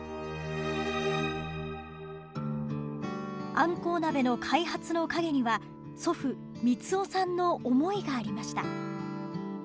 あんこう鍋の開発の陰には祖父光男さんの思いがありました。